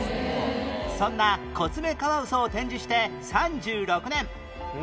そんなコツメカワウソを展示して３６年